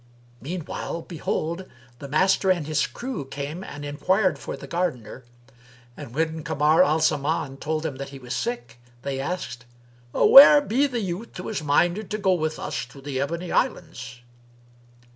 Meanwhile behold, the Master and his crew came and enquired for the gardener; and, when Kamar al Zaman told them that he was sick, they asked, "Where be the youth who is minded to go with us to the Ebony Islands?"